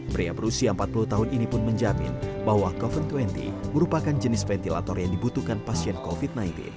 pria berusia empat puluh tahun ini pun menjamin bahwa covid dua puluh merupakan jenis ventilator yang dibutuhkan pasien covid sembilan belas